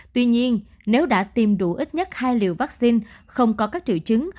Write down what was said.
tuy nhiên nếu đã tìm đủ ít nhất hai liều vaccine không có các triệu chứng